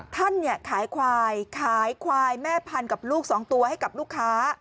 ท่านขายควายขายควายแม่พันกับลูกสองตัวให้กับลูกค้า